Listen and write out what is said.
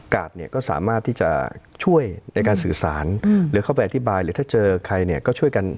เนี่ยก็สามารถที่จะช่วยในการสื่อสารหรือเข้าไปอธิบายหรือถ้าเจอใครเนี่ยก็ช่วยกัน